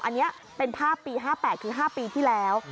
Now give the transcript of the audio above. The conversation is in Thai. อันนี้เป็นภาพปี๕๘คือ๕ปีที่แล้ว